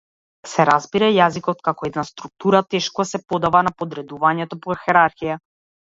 Се разбира, јазикот како една структура тешко се подава на подредување по хиерархија.